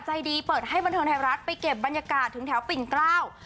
ใจดีเปิดให้บันเทิงไทยรัฐไปเก็บบรรยากาศถึงแถวปิ่นเกล้า